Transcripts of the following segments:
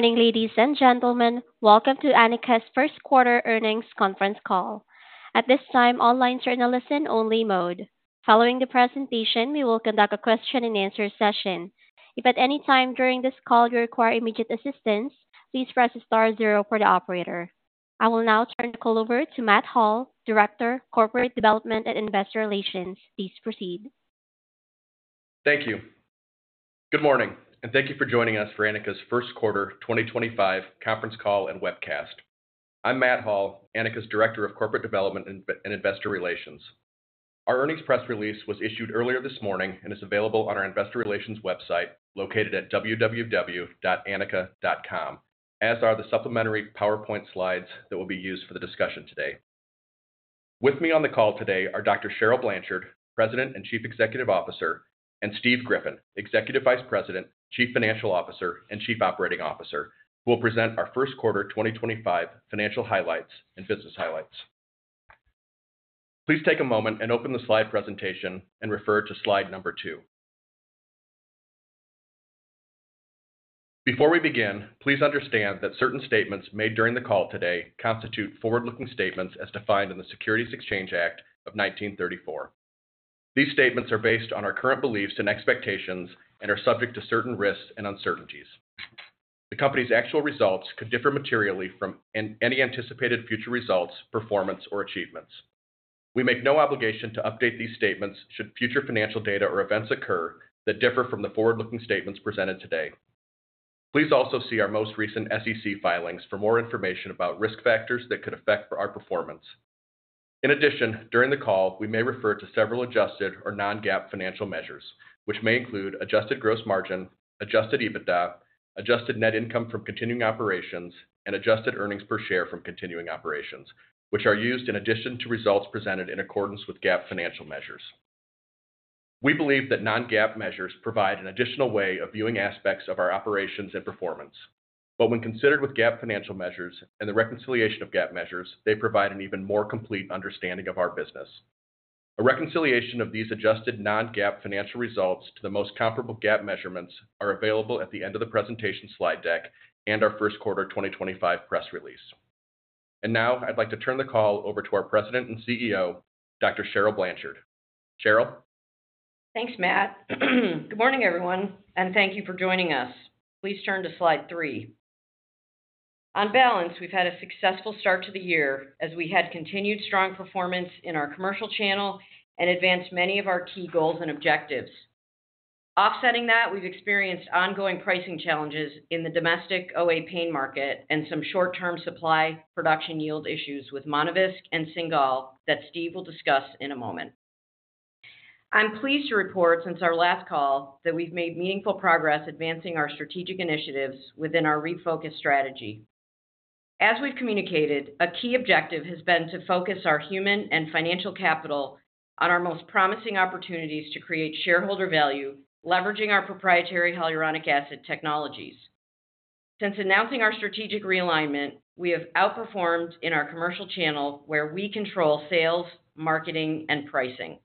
Morning, ladies and gentlemen. Welcome to Anika's First Quarter Earnings Conference Call. At this time, online journal is in only mode. Following the presentation, we will conduct a question-and-answer session. If at any time during this call you require immediate assistance, please press the star zero for the operator. I will now turn the call over to Matt Hall, Director, Corporate Development and Investor Relations. Please proceed. Thank you. Good morning, and thank you for joining us for Anika's First Quarter 2025 Conference Call and Webcast. I'm Matt Hall, Anika's Director of Corporate Development and Investor Relations. Our earnings press release was issued earlier this morning and is available on our Investor Relations website located at www.anika.com, as are the supplementary PowerPoint slides that will be used for the discussion today. With me on the call today are Dr. Cheryl Blanchard, President and Chief Executive Officer, and Steve Griffin, Executive Vice President, Chief Financial Officer, and Chief Operating Officer, who will present our first quarter 2025 financial highlights and business highlights. Please take a moment and open the slide presentation and refer to slide number two. Before we begin, please understand that certain statements made during the call today constitute forward-looking statements as defined in the Securities Exchange Act of 1934. These statements are based on our current beliefs and expectations and are subject to certain risks and uncertainties. The company's actual results could differ materially from any anticipated future results, performance, or achievements. We make no obligation to update these statements should future financial data or events occur that differ from the forward-looking statements presented today. Please also see our most recent SEC filings for more information about risk factors that could affect our performance. In addition, during the call, we may refer to several adjusted or non-GAAP financial measures, which may include adjusted gross margin, adjusted EBITDA, adjusted net income from continuing operations, and adjusted earnings per share from continuing operations, which are used in addition to results presented in accordance with GAAP financial measures. We believe that non-GAAP measures provide an additional way of viewing aspects of our operations and performance. When considered with GAAP financial measures and the reconciliation of GAAP measures, they provide an even more complete understanding of our business. A reconciliation of these adjusted non-GAAP financial results to the most comparable GAAP measurements is available at the end of the presentation slide deck and our first quarter 2025 press release. Now I'd like to turn the call over to our President and CEO, Dr. Cheryl Blanchard. Cheryl. Thanks, Matt. Good morning, everyone, and thank you for joining us. Please turn to slide three. On balance, we've had a successful start to the year as we had continued strong performance in our commercial channel and advanced many of our key goals and objectives. Offsetting that, we've experienced ongoing pricing challenges in the domestic OA pain market and some short-term supply production yield issues with Monovisc and Cingal that Steve will discuss in a moment. I'm pleased to report, since our last call, that we've made meaningful progress advancing our strategic initiatives within our refocus strategy. As we've communicated, a key objective has been to focus our human and financial capital on our most promising opportunities to create shareholder value, leveraging our proprietary hyaluronic acid technologies. Since announcing our strategic realignment, we have outperformed in our commercial channel where we control sales, marketing, and pricing.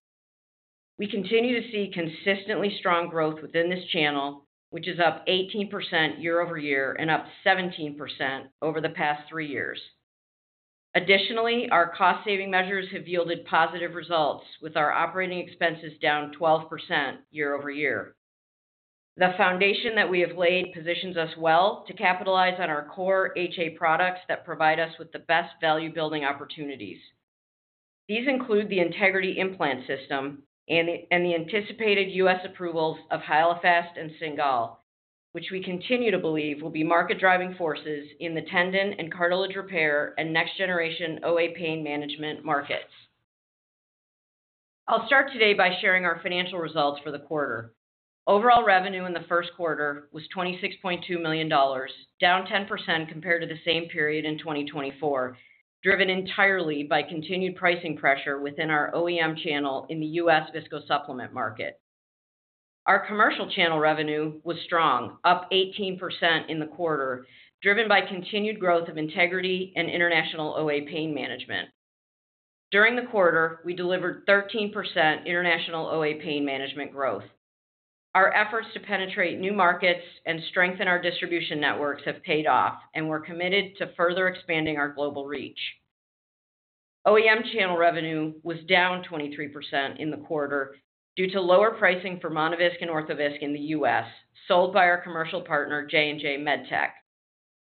We continue to see consistently strong growth within this channel, which is up 18% year over year and up 17% over the past three years. Additionally, our cost-saving measures have yielded positive results, with our operating expenses down 12% year over year. The foundation that we have laid positions us well to capitalize on our core HA products that provide us with the best value-building opportunities. These include the Integrity Implant System and the anticipated U.S. approvals of Hyalofast and Cingal, which we continue to believe will be market-driving forces in the tendon and cartilage repair and next-generation OA pain management markets. I'll start today by sharing our financial results for the quarter. Overall revenue in the first quarter was $26.2 million, down 10% compared to the same period in 2024, driven entirely by continued pricing pressure within our OEM channel in the U.S. viscosupplement market. Our commercial channel revenue was strong, up 18% in the quarter, driven by continued growth of Integrity and international OA pain management. During the quarter, we delivered 13% international OA pain management growth. Our efforts to penetrate new markets and strengthen our distribution networks have paid off, and we're committed to further expanding our global reach. OEM channel revenue was down 23% in the quarter due to lower pricing for Monovisc and Orthovisc in the U.S., sold by our commercial partner J&J MedTech.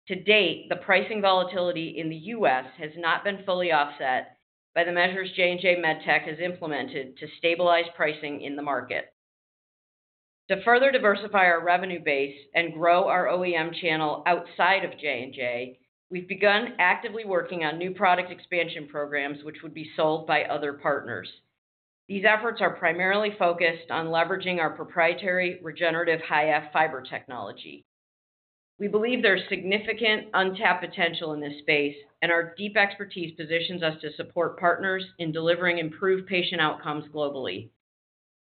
To date, the pricing volatility in the U.S. has not been fully offset by the measures J&J MedTech has implemented to stabilize pricing in the market. To further diversify our revenue base and grow our OEM channel outside of J&J we've begun actively working on new product expansion programs which would be sold by other partners. These efforts are primarily focused on leveraging our proprietary regenerative high-AF fiber technology. We believe there's significant untapped potential in this space, and our deep expertise positions us to support partners in delivering improved patient outcomes globally.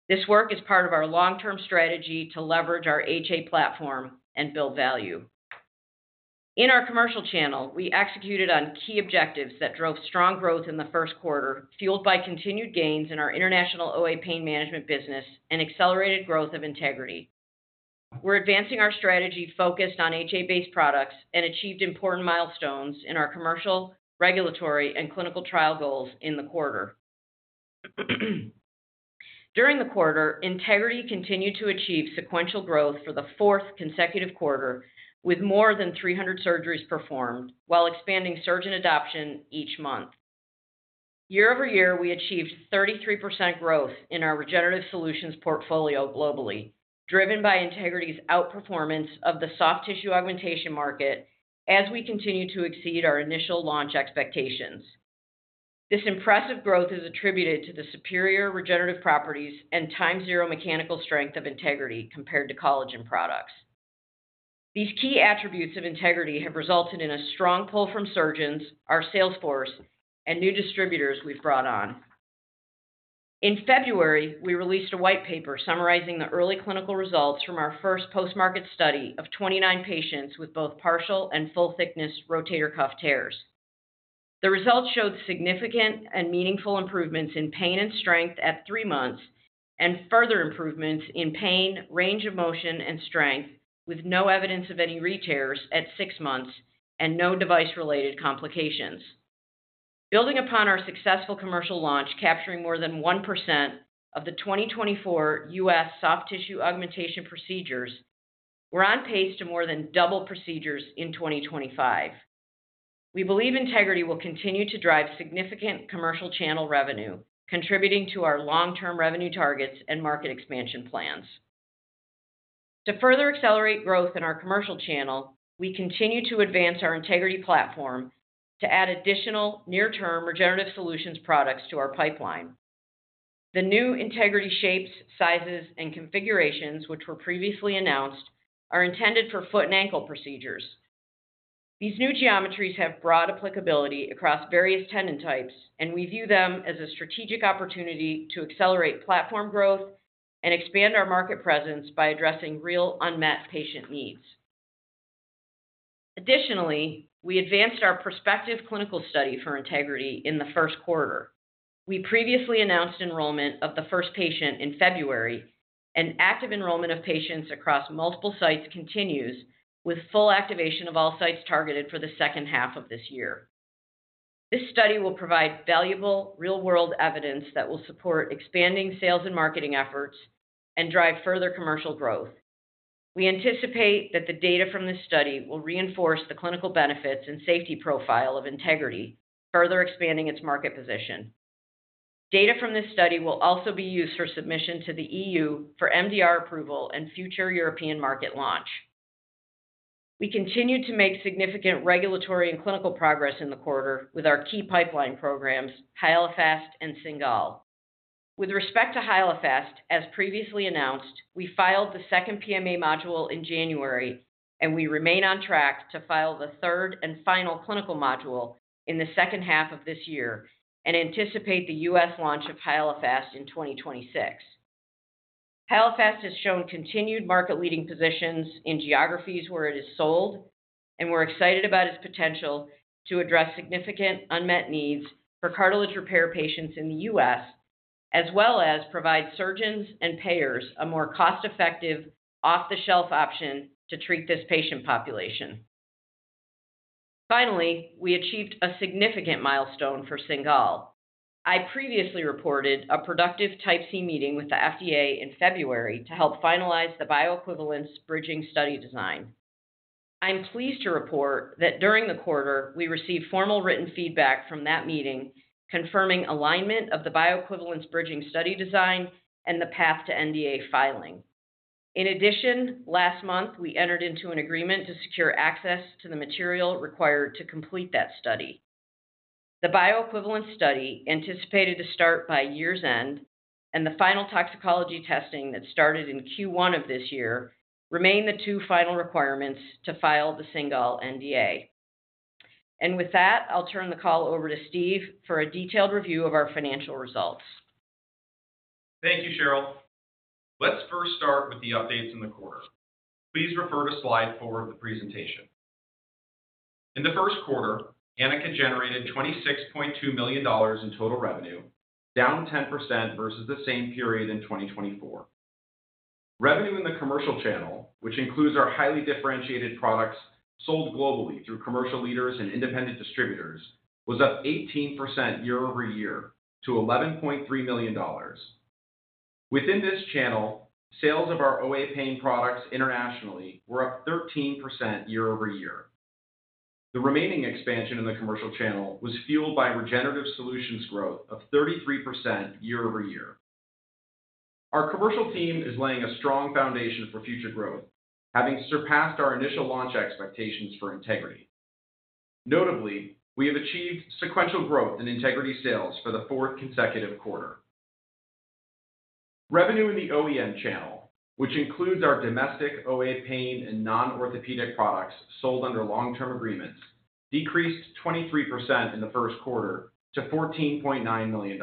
This work is part of our long-term strategy to leverage our HA platform and build value. In our commercial channel, we executed on key objectives that drove strong growth in the first quarter, fueled by continued gains in our international OA pain management business and accelerated growth of Integrity. We're advancing our strategy focused on HA-based products and achieved important milestones in our commercial, regulatory, and clinical trial goals in the quarter. During the quarter, Integrity continued to achieve sequential growth for the fourth consecutive quarter, with more than 300 surgeries performed while expanding surgeon adoption each month. Year over year, we achieved 33% growth in our regenerative solutions portfolio globally, driven by Integrity's outperformance of the soft tissue augmentation market as we continue to exceed our initial launch expectations. This impressive growth is attributed to the superior regenerative properties and time-zero mechanical strength of Integrity compared to collagen products. These key attributes of Integrity have resulted in a strong pull from surgeons, our salesforce, and new distributors we've brought on. In February, we released a white paper summarizing the early clinical results from our first post-market study of 29 patients with both partial and full-thickness rotator cuff tears. The results showed significant and meaningful improvements in pain and strength at three months and further improvements in pain, range of motion, and strength, with no evidence of any re-tears at six months and no device-related complications. Building upon our successful commercial launch capturing more than 1% of the 2024 U.S. soft tissue augmentation procedures, we're on pace to more than double procedures in 2025. We believe Integrity will continue to drive significant commercial channel revenue, contributing to our long-term revenue targets and market expansion plans. To further accelerate growth in our commercial channel, we continue to advance our Integrity platform to add additional near-term regenerative solutions products to our pipeline. The new Integrity shapes, sizes, and configurations, which were previously announced, are intended for foot and ankle procedures. These new geometries have broad applicability across various tendon types, and we view them as a strategic opportunity to accelerate platform growth and expand our market presence by addressing real unmet patient needs. Additionally, we advanced our prospective clinical study for Integrity in the first quarter. We previously announced enrollment of the first patient in February, and active enrollment of patients across multiple sites continues with full activation of all sites targeted for the second half of this year. This study will provide valuable real-world evidence that will support expanding sales and marketing efforts and drive further commercial growth. We anticipate that the data from this study will reinforce the clinical benefits and safety profile of Integrity, further expanding its market position. Data from this study will also be used for submission to the E.U. for Medical Device Regulation approval and future European market launch. We continue to make significant regulatory and clinical progress in the quarter with our key pipeline programs, Hyalofast and Cingal. With respect to Hyalofast, as previously announced, we filed the second PMA module in January, and we remain on track to file the third and final clinical module in the second half of this year and anticipate the U.S. launch of Hyalofast in 2026. Hyalofast has shown continued market-leading positions in geographies where it is sold, and we're excited about its potential to address significant unmet needs for cartilage repair patients in the U.S., as well as provide surgeons and payers a more cost-effective off-the-shelf option to treat this patient population. Finally, we achieved a significant milestone for Cingal. I previously reported a productive Type C meeting with the FDA in February to help finalize the bioequivalence bridging study design. I'm pleased to report that during the quarter, we received formal written feedback from that meeting confirming alignment of the bioequivalence bridging study design and the path to NDA filing. In addition, last month, we entered into an agreement to secure access to the material required to complete that study. The bioequivalence study anticipated to start by year's end, and the final toxicology testing that started in Q1 of this year remain the two final requirements to file the Cingal NDA. With that, I'll turn the call over to Steve for a detailed review of our financial results. Thank you, Cheryl. Let's first start with the updates in the quarter. Please refer to slide four of the presentation. In the first quarter, Anika generated $26.2 million in total revenue, down 10% versus the same period in 2024. Revenue in the commercial channel, which includes our highly differentiated products sold globally through commercial leaders and independent distributors, was up 18% year over year to $11.3 million. Within this channel, sales of our OA pain products internationally were up 13% year over year. The remaining expansion in the commercial channel was fueled by regenerative solutions growth of 33% year over year. Our commercial team is laying a strong foundation for future growth, having surpassed our initial launch expectations for Integrity. Notably, we have achieved sequential growth in Integrity sales for the fourth consecutive quarter. Revenue in the OEM channel, which includes our domestic OA pain and non-orthopedic products sold under long-term agreements, decreased 23% in the first quarter to $14.9 million.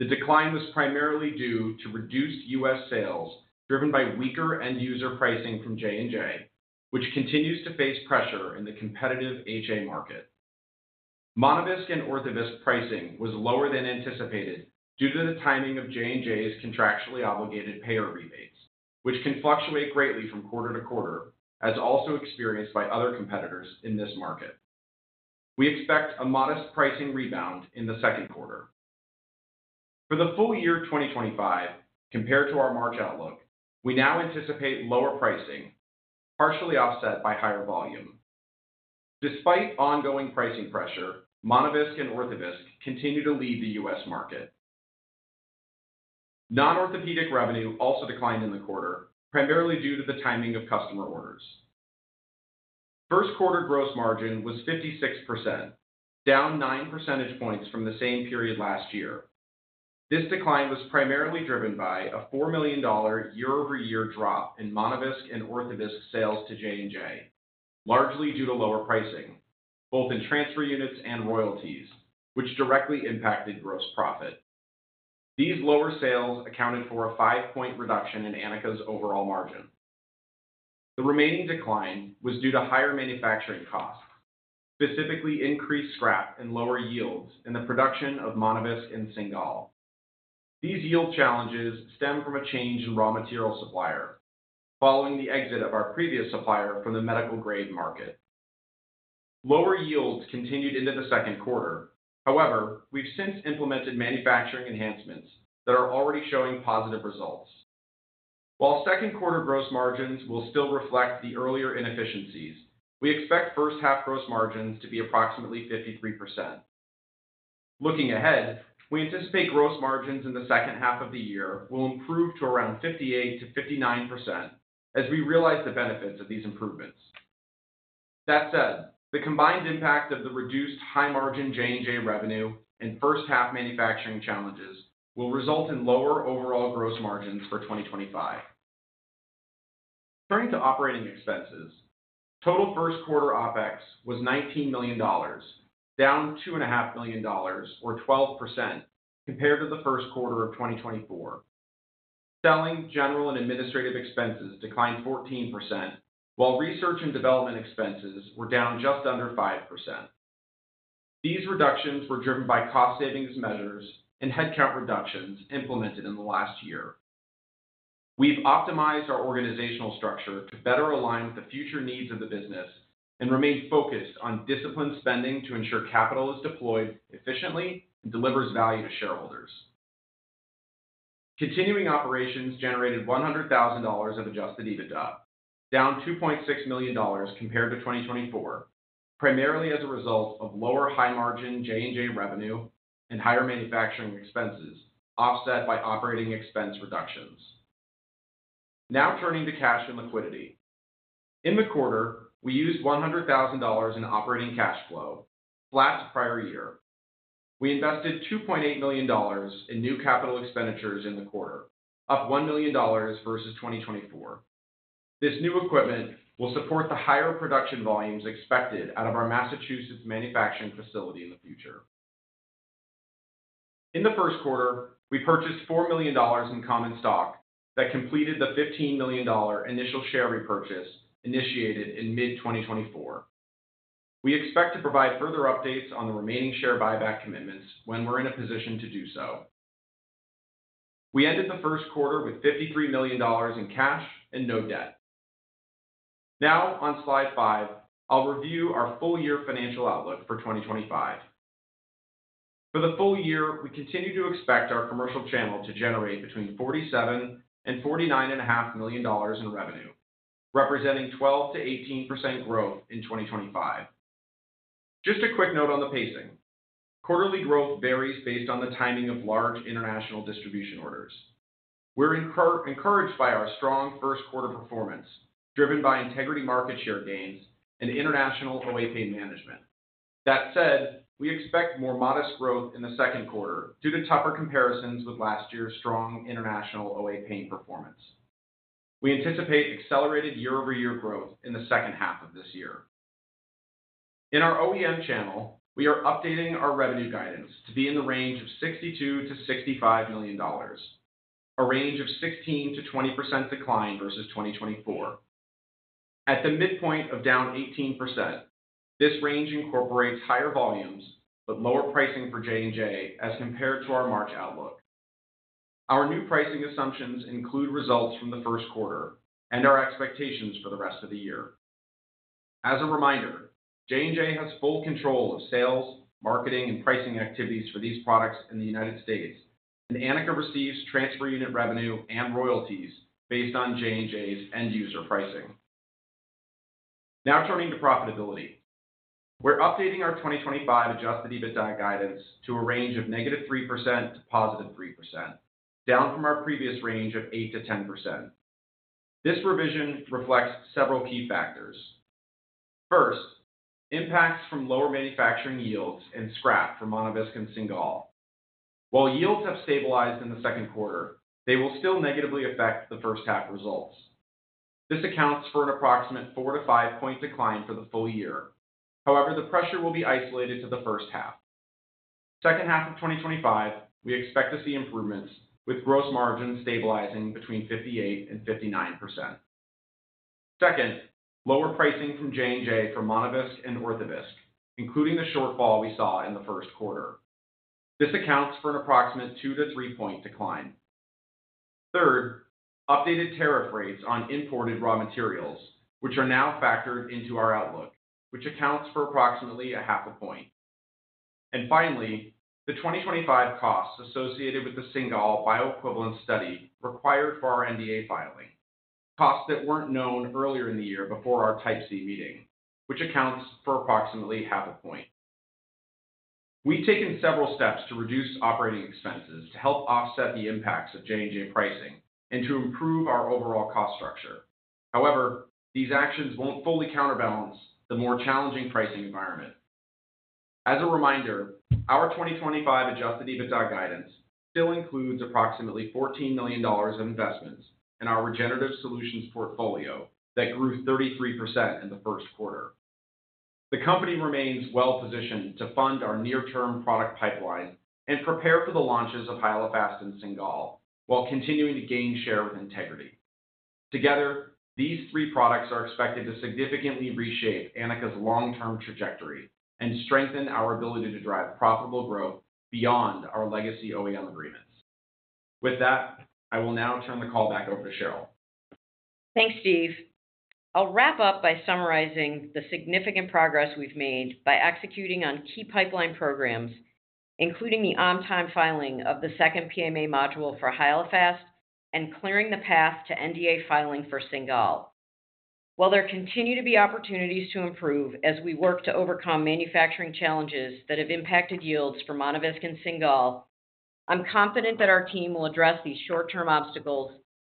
The decline was primarily due to reduced U.S. sales driven by weaker end-user pricing from J&J, which continues to face pressure in the competitive HA market. Monovisc and Orthovisc pricing was lower than anticipated due to the timing of J&J's contractually obligated payer rebates, which can fluctuate greatly from quarter to quarter, as also experienced by other competitors in this market. We expect a modest pricing rebound in the second quarter. For the full year 2025, compared to our March outlook, we now anticipate lower pricing, partially offset by higher volume. Despite ongoing pricing pressure, Monovisc and Orthovisc continue to lead the U.S. market. Non-orthopedic revenue also declined in the quarter, primarily due to the timing of customer orders. First quarter gross margin was 56%, down 9 percentage points from the same period last year. This decline was primarily driven by a $4 million year-over-year drop in Monovisc and Orthovisc sales to J&J, largely due to lower pricing, both in transfer units and royalties, which directly impacted gross profit. These lower sales accounted for a five-point reduction in Anika's overall margin. The remaining decline was due to higher manufacturing costs, specifically increased scrap and lower yields in the production of Monovisc and Cingal. These yield challenges stem from a change in raw material supplier following the exit of our previous supplier from the medical-grade market. Lower yields continued into the second quarter. However, we've since implemented manufacturing enhancements that are already showing positive results. While second quarter gross margins will still reflect the earlier inefficiencies, we expect first-half gross margins to be approximately 53%. Looking ahead, we anticipate gross margins in the second half of the year will improve to around 58%-59% as we realize the benefits of these improvements. That said, the combined impact of the reduced high-margin J&J revenue and first-half manufacturing challenges will result in lower overall gross margins for 2025. Turning to operating expenses, total first-quarter OpEx was $19 million, down $2.5 million, or 12%, compared to the first quarter of 2024. Selling, general, and administrative expenses declined 14%, while research and development expenses were down just under 5%. These reductions were driven by cost-savings measures and headcount reductions implemented in the last year. We've optimized our organizational structure to better align with the future needs of the business and remain focused on disciplined spending to ensure capital is deployed efficiently and delivers value to shareholders. Continuing operations generated $100,000 of adjusted EBITDA, down $2.6 million compared to 2024, primarily as a result of lower high-margin J&J revenue and higher manufacturing expenses offset by operating expense reductions. Now turning to cash and liquidity. In the quarter, we used $100,000 in operating cash flow, flat to prior year. We invested $2.8 million in new capital expenditures in the quarter, up $1 million versus 2024. This new equipment will support the higher production volumes expected out of our Massachusetts manufacturing facility in the future. In the first quarter, we purchased $4 million in common stock that completed the $15 million initial share repurchase initiated in mid-2024. We expect to provide further updates on the remaining share buyback commitments when we're in a position to do so. We ended the first quarter with $53 million in cash and no debt. Now, on slide five, I'll review our full-year financial outlook for 2025. For the full year, we continue to expect our commercial channel to generate between $47 million and $49.5 million in revenue, representing 12%-18% growth in 2025. Just a quick note on the pacing. Quarterly growth varies based on the timing of large international distribution orders. We're encouraged by our strong first-quarter performance driven by Integrity market share gains and international OA pain management. That said, we expect more modest growth in the second quarter due to tougher comparisons with last year's strong international OA pain performance. We anticipate accelerated year-over-year growth in the second half of this year. In our OEM channel, we are updating our revenue guidance to be in the range of $62 million-$65 million, a range of 16%-20% decline versus 2024. At the midpoint of down 18%, this range incorporates higher volumes but lower pricing for J&J as compared to our March outlook. Our new pricing assumptions include results from the first quarter and our expectations for the rest of the year. As a reminder, J&J has full control of sales, marketing, and pricing activities for these products in the U.S., and Anika receives transfer unit revenue and royalties based on J&J's end-user pricing. Now turning to profitability. We're updating our 2025 adjusted EBITDA guidance to a range of negative 3% to positive 3%, down from our previous range of 8%-10%. This revision reflects several key factors. First, impacts from lower manufacturing yields and scrap for Monovisc and Cingal. While yields have stabilized in the second quarter, they will still negatively affect the first-half results. This accounts for an approximate four to five-point decline for the full year. However, the pressure will be isolated to the first half. Second half of 2025, we expect to see improvements with gross margins stabilizing between 58% and 59%. Second, lower pricing from J&J for Monovisc and Orthovisc, including the shortfall we saw in the first quarter. This accounts for an approximate two to three-percentage point decline. Third, updated tariff rates on imported raw materials, which are now factored into our outlook, which accounts for approximately half a percentage point. Finally, the 2025 costs associated with the Cingal bioequivalence study required for our NDA filing, costs that were not known earlier in the year before our Type C meeting, which accounts for approximately half a percentage point. We have taken several steps to reduce operating expenses to help offset the impacts of J&J pricing and to improve our overall cost structure. However, these actions will not fully counterbalance the more challenging pricing environment. As a reminder, our 2025 adjusted EBITDA guidance still includes approximately $14 million of investments in our regenerative solutions portfolio that grew 33% in the first quarter. The company remains well-positioned to fund our near-term product pipeline and prepare for the launches of Hyalofast and Cingal while continuing to gain share with Integrity. Together, these three products are expected to significantly reshape Anika's long-term trajectory and strengthen our ability to drive profitable growth beyond our legacy OEM agreements. With that, I will now turn the call back over to Cheryl. Thanks, Steve. I'll wrap up by summarizing the significant progress we've made by executing on key pipeline programs, including the on-time filing of the second PMA module for Hyalofast and clearing the path to NDA filing for Cingal. While there continue to be opportunities to improve as we work to overcome manufacturing challenges that have impacted yields for Monovisc and Cingal, I'm confident that our team will address these short-term obstacles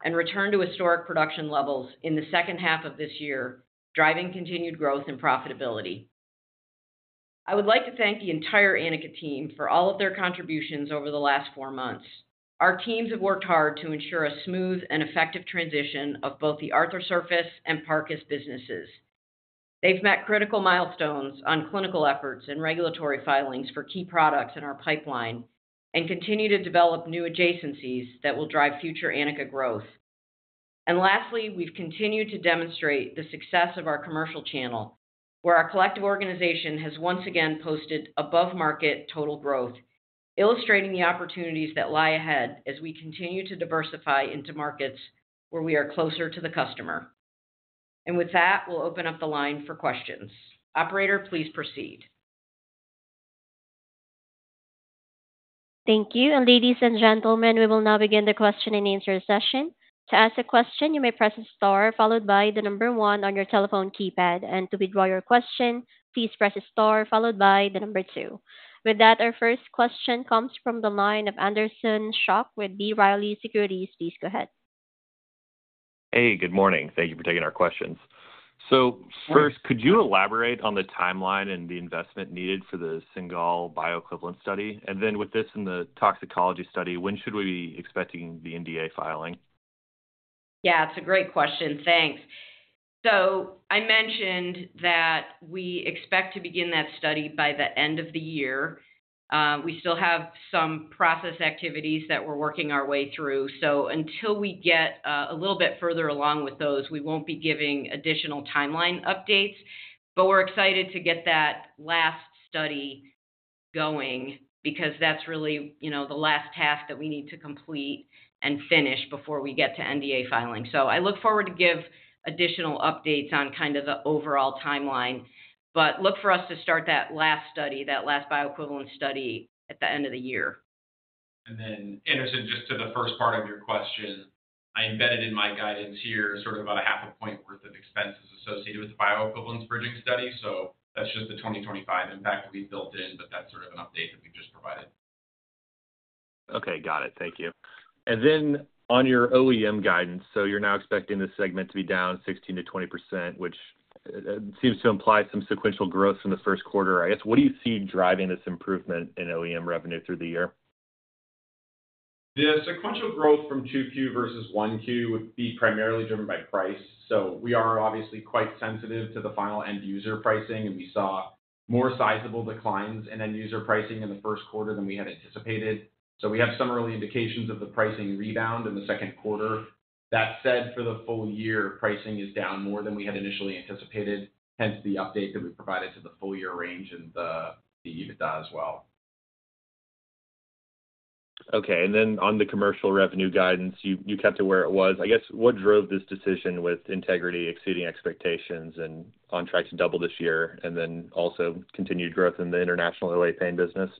and return to historic production levels in the second half of this year, driving continued growth and profitability. I would like to thank the entire Anika team for all of their contributions over the last four months. Our teams have worked hard to ensure a smooth and effective transition of both the Arthrosurface and Parcus Medical businesses. They've met critical milestones on clinical efforts and regulatory filings for key products in our pipeline and continue to develop new adjacencies that will drive future Anika growth. Lastly, we've continued to demonstrate the success of our commercial channel, where our collective organization has once again posted above-market total growth, illustrating the opportunities that lie ahead as we continue to diversify into markets where we are closer to the customer. With that, we'll open up the line for questions. Operator, please proceed. Thank you. Ladies and gentlemen, we will now begin the question and answer session. To ask a question, you may press star followed by the number one on your telephone keypad. To withdraw your question, please press star followed by the number two. With that, our first question comes from the line of Anderson Schock with B. Riley Securities. Please go ahead. Hey, Good morning. Thank you for taking our questions. First, could you elaborate on the timeline and the investment needed for the Cingal bioequivalence study? With this and the toxicology study, when should we be expecting the NDA filing? Yeah, that's a great question. Thanks. I mentioned that we expect to begin that study by the end of the year. We still have some process activities that we're working our way through. Until we get a little bit further along with those, we won't be giving additional timeline updates. We're excited to get that last study going because that's really the last task that we need to complete and finish before we get to NDA filing. I look forward to giving additional updates on kind of the overall timeline, but look for us to start that last study, that last bioequivalence study at the end of the year. And then, Anderson, just to the first part of your question, I embedded in my guidance here sort of about half a point worth of expenses associated with the bioequivalence bridging study. That's just the 2025 impact we've built in, but that's sort of an update that we've just provided. Okay, got it. Thank you. Then on your OEM guidance, you are now expecting this segment to be down 16%-20%, which seems to imply some sequential growth from the first quarter. I guess, what do you see driving this improvement in OEM revenue through the year? The sequential growth from 2Q versus 1Q would be primarily driven by price. We are obviously quite sensitive to the final end-user pricing, and we saw more sizable declines in end-user pricing in the first quarter than we had anticipated. We have some early indications of the pricing rebound in the second quarter. That said, for the full year, pricing is down more than we had initially anticipated, hence the update that we provided to the full-year range and the EBITDA as well. Okay. And then on the commercial revenue guidance, you kept it where it was. I guess, what drove this decision with Integrity exceeding expectations and contracts doubled this year and then also continued growth in the international OA pain business?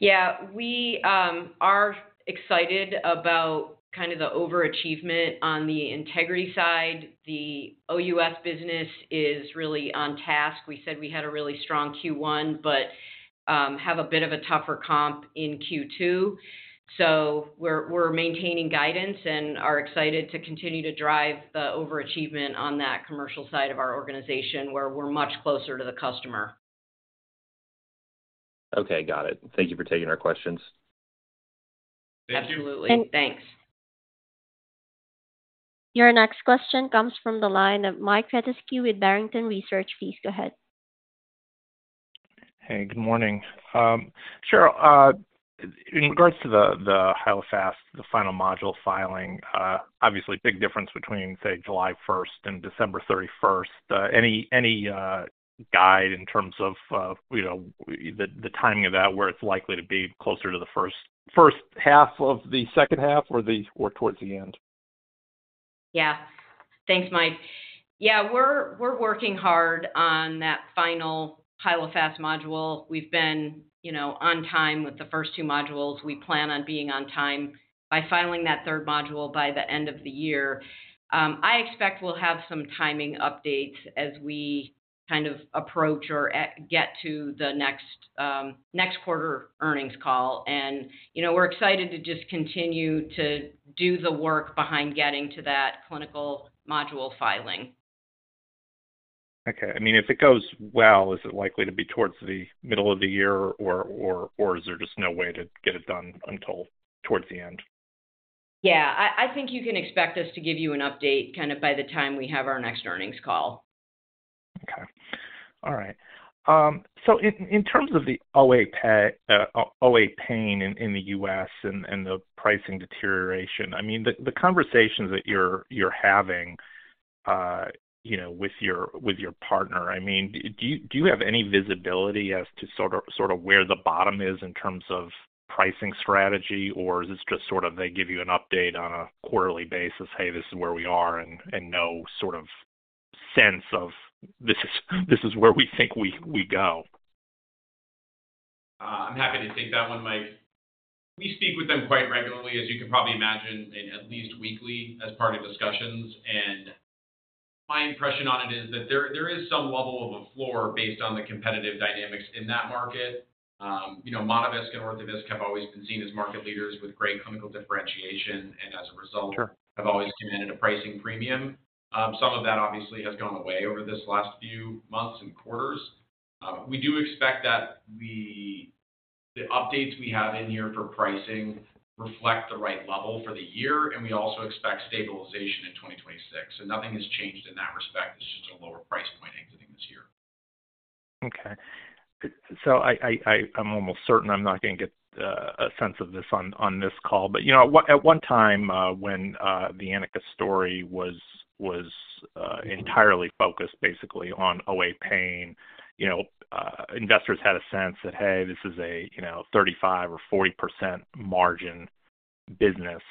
Yeah, we are excited about kind of the overachievement on the Integrity side. The OUS business is really on task. We said we had a really strong Q1, but have a bit of a tougher comp in Q2. We are maintaining guidance and are excited to continue to drive the overachievement on that commercial side of our organization where we are much closer to the customer. Okay, got it. Thank you for taking our questions. Thank you. Absolutely. Thanks. Your next question comes from the line of Mike Petusky with Barrington Research. Please go ahead. Hey, good morning. Cheryl, in regards to the Hyalofast, the final module filing, obviously big difference between, say, July 1st and December 31st. Any guide in terms of the timing of that, where it's likely to be closer to the first half or the second half or towards the end? Yeah. Thanks, Mike. Yeah, we're working hard on that final Hyalofast module. We've been on time with the first two modules. We plan on being on time by filing that third module by the end of the year. I expect we'll have some timing updates as we kind of approach or get to the next quarter earnings call. We're excited to just continue to do the work behind getting to that clinical module filing. Okay. I mean, if it goes well, is it likely to be towards the middle of the year, or is there just no way to get it done until towards the end? Yeah, I think you can expect us to give you an update kind of by the time we have our next earnings call. Okay. All right. In terms of the OA pain in the U.S. and the pricing deterioration, I mean, the conversations that you're having with your partner, I mean, do you have any visibility as to sort of where the bottom is in terms of pricing strategy, or is it just sort of they give you an update on a quarterly basis, "Hey, this is where we are," and no sort of sense of, "This is where we think we go"? I'm happy to take that one, Mike. We speak with them quite regularly, as you can probably imagine, at least weekly as part of discussions. My impression on it is that there is some level of a floor based on the competitive dynamics in that market. Monovisc and Orthovisc have always been seen as market leaders with great clinical differentiation, and as a result, have always commanded a pricing premium. Some of that obviously has gone away over this last few months and quarters. We do expect that the updates we have in here for pricing reflect the right level for the year, and we also expect stabilization in 2026. Nothing has changed in that respect. It's just a lower price point exiting this year. Okay. I'm almost certain I'm not going to get a sense of this on this call. At one time when the Anika story was entirely focused basically on OA pain, investors had a sense that, "Hey, this is a 35% or 40% margin business."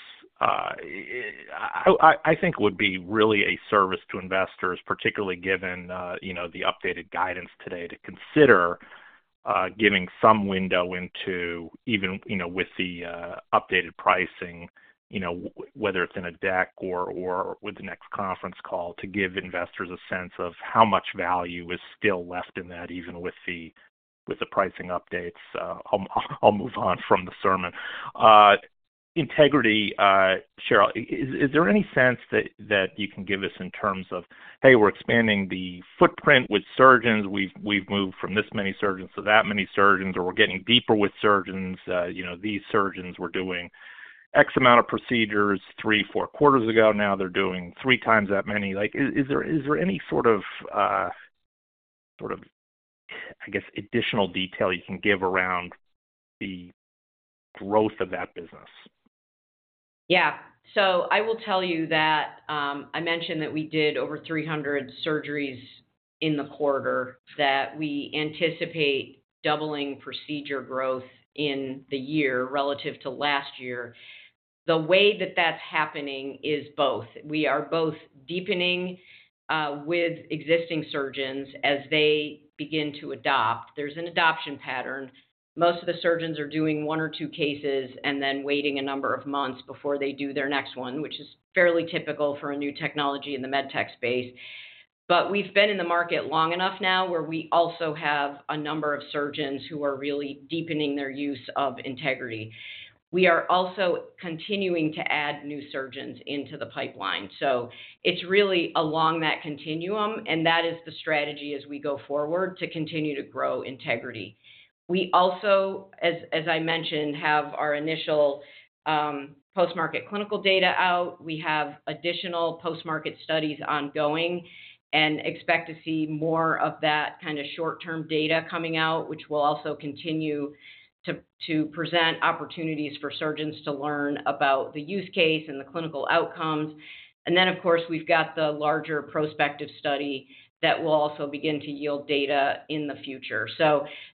I think it would be really a service to investors, particularly given the updated guidance today, to consider giving some window into even with the updated pricing, whether it's in a deck or with the next conference call, to give investors a sense of how much value is still left in that even with the pricing updates. I'll move on from the sermon. Integrity, Cheryl, is there any sense that you can give us in terms of, "Hey, we're expanding the footprint with surgeons. We've moved from this many surgeons to that many surgeons," or, "We're getting deeper with surgeons. These surgeons were doing X amount of procedures three, four quarters ago. Now they're doing three times that many? Is there any sort of, I guess, additional detail you can give around the growth of that business? Yeah. I will tell you that I mentioned that we did over 300 surgeries in the quarter, that we anticipate doubling procedure growth in the year relative to last year. The way that that's happening is both. We are both deepening with existing surgeons as they begin to adopt. There's an adoption pattern. Most of the surgeons are doing one or two cases and then waiting a number of months before they do their next one, which is fairly typical for a new technology in the med tech space. We have been in the market long enough now where we also have a number of surgeons who are really deepening their use of Integrity. We are also continuing to add new surgeons into the pipeline. It is really along that continuum, and that is the strategy as we go forward to continue to grow Integrity. We also, as I mentioned, have our initial post-market clinical data out. We have additional post-market studies ongoing and expect to see more of that kind of short-term data coming out, which will also continue to present opportunities for surgeons to learn about the use case and the clinical outcomes. Of course, we've got the larger prospective study that will also begin to yield data in the future.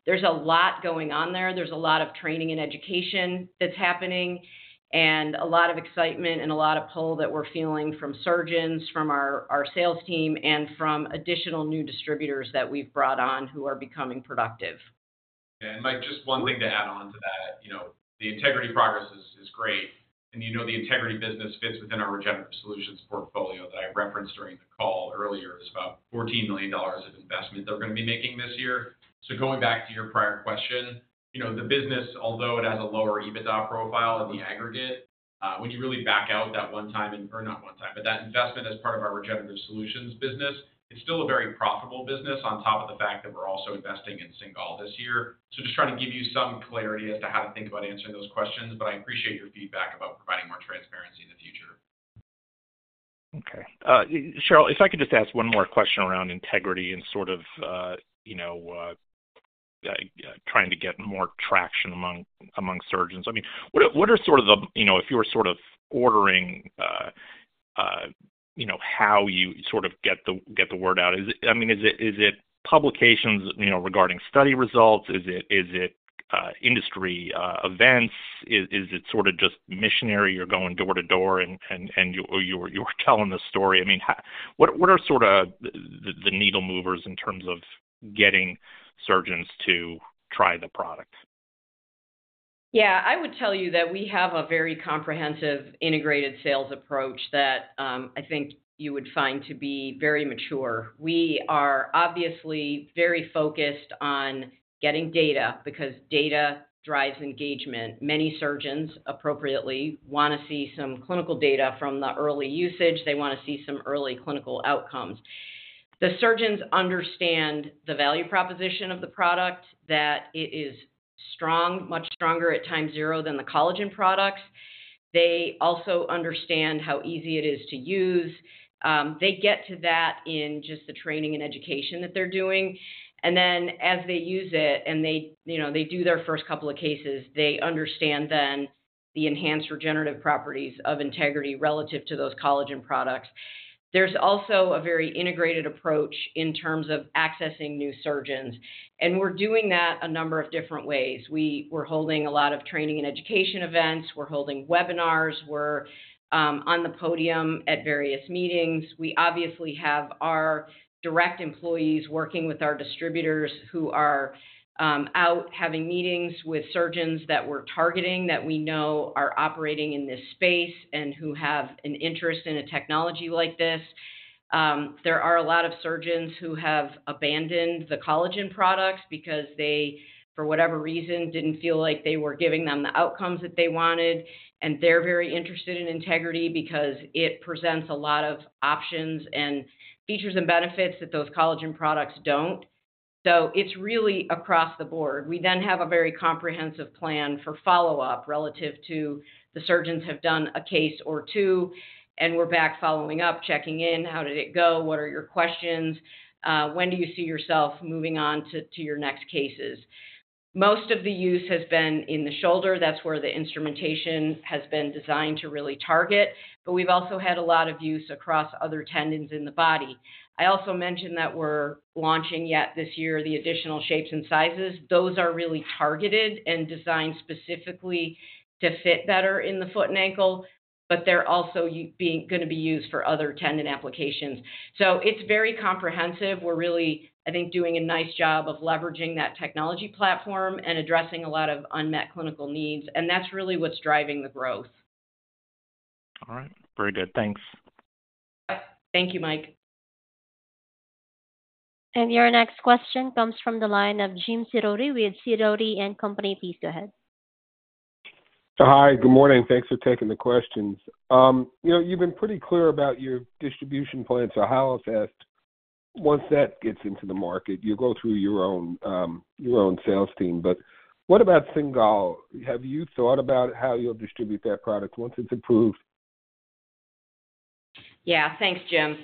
There is a lot going on there. There is a lot of training and education that's happening and a lot of excitement and a lot of pull that we're feeling from surgeons, from our sales team, and from additional new distributors that we've brought on who are becoming productive. Mike, just one thing to add on to that. The Integrity progress is great. The Integrity business fits within our regenerative solutions portfolio that I referenced during the call earlier. It is about $14 million of investment they are going to be making this year. Going back to your prior question, the business, although it has a lower EBITDA profile in the aggregate, when you really back out that one-time, or not one-time, but that investment as part of our regenerative solutions business, it is still a very profitable business on top of the fact that we are also investing in Cingal this year. Just trying to give you some clarity as to how to think about answering those questions. I appreciate your feedback about providing more transparency in the future. Okay. Cheryl, if I could just ask one more question around Integrity and sort of trying to get more traction among surgeons. I mean, what are sort of the, if you were sort of ordering how you sort of get the word out, I mean, is it publications regarding study results? Is it industry events? Is it sort of just missionary? You're going door to door and you're telling the story. I mean, what are sort of the needle movers in terms of getting surgeons to try the product? Yeah, I would tell you that we have a very comprehensive integrated sales approach that I think you would find to be very mature. We are obviously very focused on getting data because data drives engagement. Many surgeons appropriately want to see some clinical data from the early usage. They want to see some early clinical outcomes. The surgeons understand the value proposition of the product, that it is strong, much stronger at time zero than the collagen products. They also understand how easy it is to use. They get to that in just the training and education that they're doing. As they use it and they do their first couple of cases, they understand then the enhanced regenerative properties of Integrity relative to those collagen products. There's also a very integrated approach in terms of accessing new surgeons. We're doing that a number of different ways. We're holding a lot of training and education events. We're holding webinars. We're on the podium at various meetings. We obviously have our direct employees working with our distributors who are out having meetings with surgeons that we're targeting that we know are operating in this space and who have an interest in a technology like this. There are a lot of surgeons who have abandoned the collagen products because they, for whatever reason, didn't feel like they were giving them the outcomes that they wanted. They're very interested in Integrity because it presents a lot of options and features and benefits that those collagen products don't. It is really across the board. We then have a very comprehensive plan for follow-up relative to the surgeons who have done a case or two, and we're back following up, checking in, "How did it go? What are your questions? When do you see yourself moving on to your next cases? Most of the use has been in the shoulder. That is where the instrumentation has been designed to really target. We have also had a lot of use across other tendons in the body. I also mentioned that we are launching yet this year the additional shapes and sizes. Those are really targeted and designed specifically to fit better in the foot and ankle, but they are also going to be used for other tendon applications. It is very comprehensive. We are really, I think, doing a nice job of leveraging that technology platform and addressing a lot of unmet clinical needs. That is really what is driving the growth. All right. Very good. Thanks. Thank you, Mike. Your next question comes from the line of Jim Sidoti with Sidoti & Company. Please go ahead. Hi, good morning. Thanks for taking the questions. You've been pretty clear about your distribution plan. I'll ask, once that gets into the market, you'll go through your own sales team. What about Cingal? Have you thought about how you'll distribute that product once it's approved? Yeah. Thanks, Jim.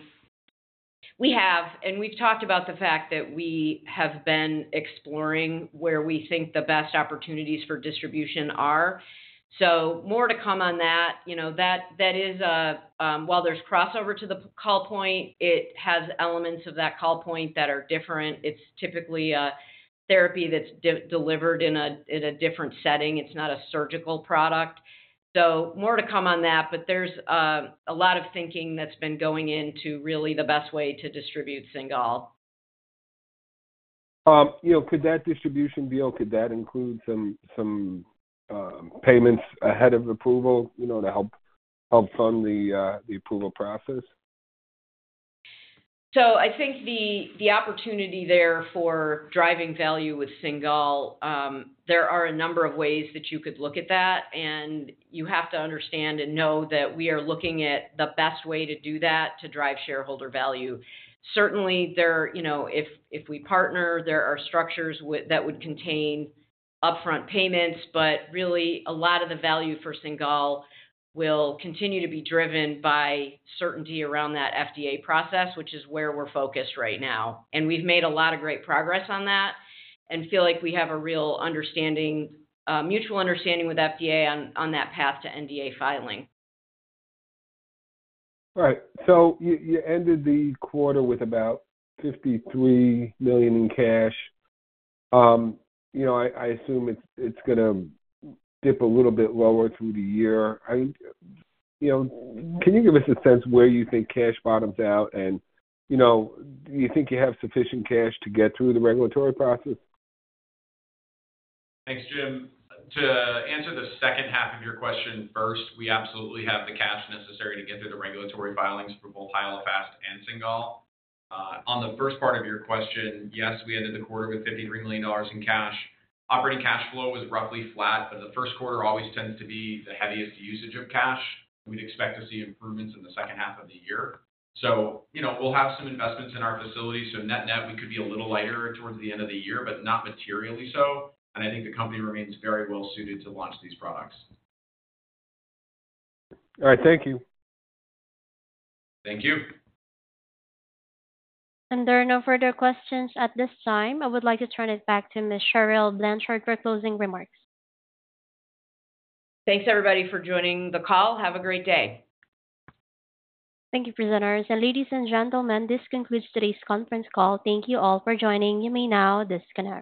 We have. And we've talked about the fact that we have been exploring where we think the best opportunities for distribution are. More to come on that. That is, while there's crossover to the call point, it has elements of that call point that are different. It's typically a therapy that's delivered in a different setting. It's not a surgical product. More to come on that. There's a lot of thinking that's been going into really the best way to distribute Cingal. Could that distribution be—could that include some payments ahead of approval to help fund the approval process? I think the opportunity there for driving value with Cingal, there are a number of ways that you could look at that. You have to understand and know that we are looking at the best way to do that to drive shareholder value. Certainly, if we partner, there are structures that would contain upfront payments. Really, a lot of the value for Cingal will continue to be driven by certainty around that FDA process, which is where we're focused right now. We've made a lot of great progress on that and feel like we have a real mutual understanding with FDA on that path to NDA filing. All right. So you ended the quarter with about $53 million in cash. I assume it's going to dip a little bit lower through the year. Can you give us a sense where you think cash bottoms out? And do you think you have sufficient cash to get through the regulatory process? Thanks, Jim. To answer the second half of your question first, we absolutely have the cash necessary to get through the regulatory filings for both Hyalofast and Cingal. On the first part of your question, yes, we ended the quarter with $53 million in cash. Operating cash flow was roughly flat, but the first quarter always tends to be the heaviest usage of cash. We'd expect to see improvements in the second half of the year. We'll have some investments in our facility. Net net, we could be a little lighter towards the end of the year, but not materially so. I think the company remains very well suited to launch these products. All right. Thank you. Thank you. There are no further questions at this time. I would like to turn it back to Ms. Cheryl Blanchard for closing remarks. Thanks, everybody, for joining the call. Have a great day. Thank you, presenters. Ladies and gentlemen, this concludes today's conference call. Thank you all for joining. You may now disconnect.